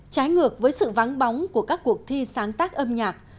trái ngược với sự vắng bóng của các cuộc thi sáng tác âm nhạc